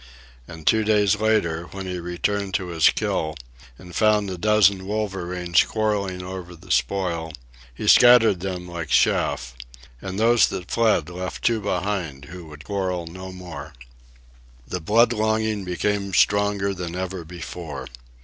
And two days later, when he returned to his kill and found a dozen wolverenes quarrelling over the spoil, he scattered them like chaff; and those that fled left two behind who would quarrel no more. The blood longing became stronger than ever before.